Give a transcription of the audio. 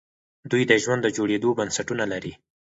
دوی د ژوند د جوړېدو بنسټونه لري.